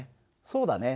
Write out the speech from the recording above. そうだね。